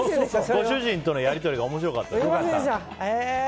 ご主人とのやり取りが面白かった。